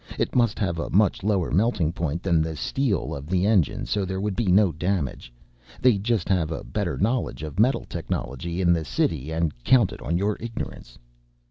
It must have a much lower melting point than the steel of the engine so there would be no damage. They just have a better knowledge of metal technology in the city and counted on your ignorance."